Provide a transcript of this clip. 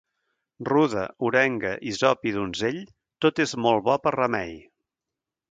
Ruda, orenga, hisop i donzell, tot és molt bo per remei.